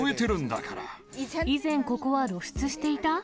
以前ここは露出していた？